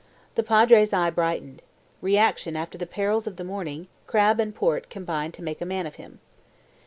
The Padre's eye brightened. Reaction after the perils of the morning, crab and port combined to make a man of him.